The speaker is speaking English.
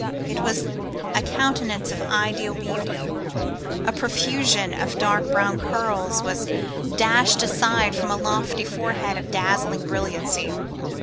It was a countenance of ideal beauty. A profusion of dark brown curls was dashed aside from a lofty forehead of dazzling brilliancy.